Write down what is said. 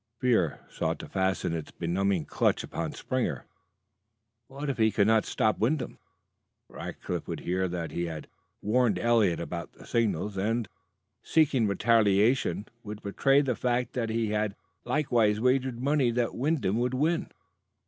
Fear sought to fasten its benumbing clutch upon Springer. What if he could not stop Wyndham? Rackliff would hear that he had warned Eliot about the signals, and, seeking retaliation, would betray the fact that he had likewise wagered money that Wyndham would win.